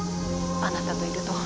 あなたといると。